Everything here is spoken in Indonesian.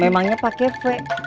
memangnya pake v